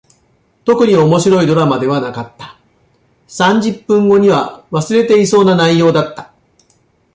特に面白いドラマではなかった。三十分後には忘れていそうな内容だった。